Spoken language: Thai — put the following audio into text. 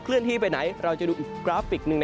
เลื่อนที่ไปไหนเราจะดูอีกกราฟิกหนึ่ง